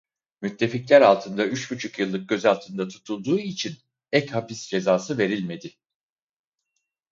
Müttefikler altında üç buçuk yıllık gözaltında tutulduğu için ek hapis cezası verilmedi.